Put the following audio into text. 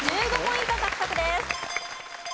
１５ポイント獲得です。